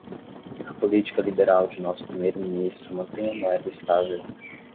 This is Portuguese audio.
A política liberal de nosso primeiro ministro mantém a moeda estável.